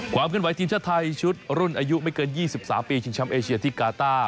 ความขึ้นไหวทีมชาติไทยชุดรุ่นอายุไม่เกิน๒๓ปีชิงช้ำเอเชียที่กาต้า